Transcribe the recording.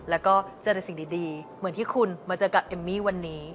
แล้วก็เจอแต่สิ่งดีเหมือนที่คุณมาเจอกับเอมมี่วันนี้